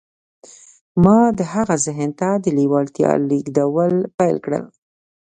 ما د هغه ذهن ته د لېوالتیا لېږدول پیل کړل